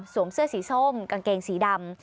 เสื้อสีส้มกางเกงสีดำ